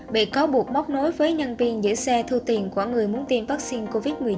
bị cáo buộc móc nối với nhân viên giữ xe thu tiền của người muốn tiêm vaccine covid một mươi chín